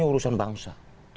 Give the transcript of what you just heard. ini urusan bangsa